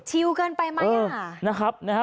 ชิวเกินไปไหมอ่ะเออนะครับนะฮะ